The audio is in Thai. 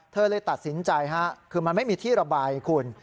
เธอเลยตัดสินใจคือมันไม่มีที่ระบายคุณ